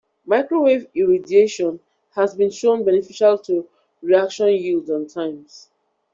Microwave irradiation has been shown beneficial to reaction yields and times.